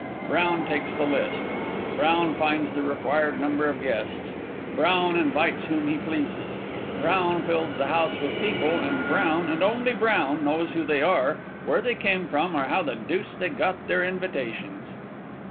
Brown takes the list; Brown finds the required number of guests. Brown invites whom he pleases; Brown fills the house with people, and Brown, and only Brown, knows who they are, where they came from, or how the deuce they got their invitations."